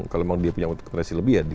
kalau memang dia punya kekerasan lebih